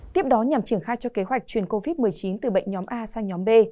tiếp đó nhằm triển khai cho kế hoạch chuyển covid một mươi chín từ bệnh nhóm a sang nhóm b